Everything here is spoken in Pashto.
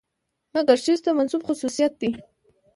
مکر ښځې ته منسوب خصوصيت دى.